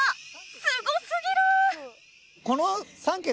すごすぎる！